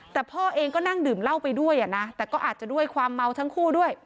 แต่พ่อเองก็นั่งดื่มเหล้าไปด้วยนะแต่ก็อาจจะด้วยความเมาทั้งคู่ด้วย